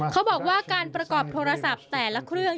เขาบอกว่าการประกอบโทรศัพท์แต่ละเครื่อง